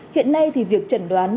hiện nay thì việc trận đoán